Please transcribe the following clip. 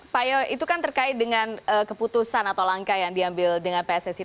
pak yo itu kan terkait dengan keputusan atau langkah yang diambil dengan pssi